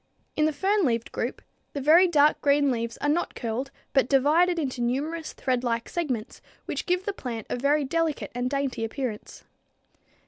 In the fern leaved group the very dark green leaves are not curled but divided into numerous threadlike segments which give the plant a very delicate and dainty appearance.